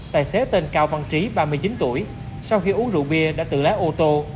tài xế tên cao văn trí ba mươi chín tuổi sau khi uống rượu bia đã tự lái ô tô